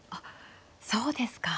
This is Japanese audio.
そうですか。